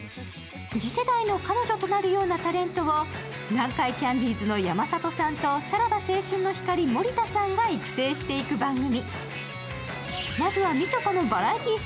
次世代の彼女となるようなタレントを南海キャンディーズの山里さんとさらば青春の光・森田さんが育成していく番組。